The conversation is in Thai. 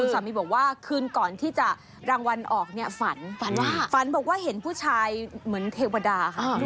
สามีบอกว่าคืนก่อนที่จะรางวัลออกเนี่ยฝันฝันว่าฝันบอกว่าเห็นผู้ชายเหมือนเทวดาค่ะ